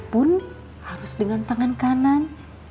pun harus dengan tangan kanan